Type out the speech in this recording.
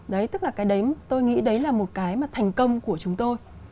đấy tức là cái đấy tôi nghĩ đấy là một cái mà thành công của chúng tôi